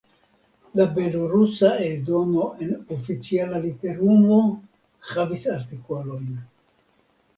La belorusa eldono en oficiala literumo havis artikolojn.